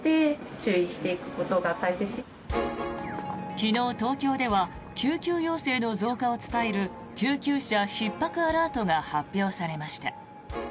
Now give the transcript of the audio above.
昨日、東京では救急要請の増加を伝える救急車ひっ迫アラートが発表されました。